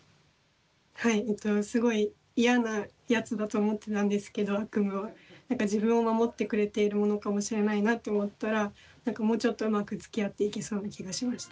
はいすごい嫌なやつだと思ってたんですけど悪夢は何か自分を守ってくれているものかもしれないなと思ったら何かもうちょっとうまくつきあっていけそうな気がしました。